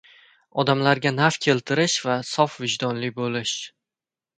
— odamlarga naf keltirish va sof vijdonli bo‘lish.